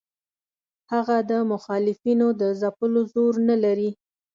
هغه د مخالفینو د ځپلو زور نه لري.